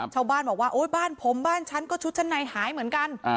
ชาวบ้านบอกว่าโอ๊ยบ้านผมบ้านฉันก็ชุดชั้นในหายเหมือนกัน